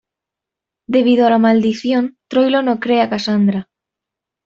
Debido a la maldición, Troilo no cree a Casandra.